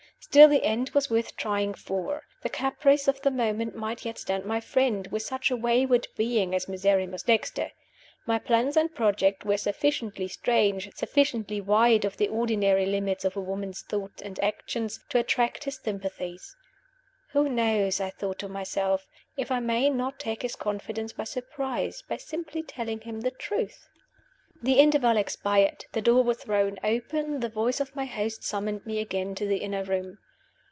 Still the end was worth trying for. The caprice of the moment might yet stand my friend, with such a wayward being as Miserrimus Dexter. My plans and projects were sufficiently strange, sufficiently wide of the ordinary limits of a woman's thoughts and actions, to attract his sympathies. "Who knows," I thought to myself, "if I may not take his confidence by surprise, by simply telling him the truth?" The interval expired; the door was thrown open; the voice of my host summoned me again to the inner room.